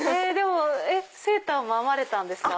セーターも編まれたんですか？